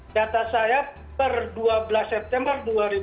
data saya per dua belas september dua ribu dua puluh